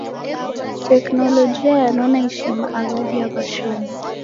Teknologia yanona ishima aghadi ya washomi.